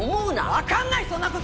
わかんないそんな事！！